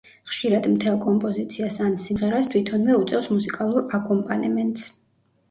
ხშირად მთელ კომპოზიციას ან სიმღერას თვითონვე უწევს მუსიკალურ აკომპანემენტს.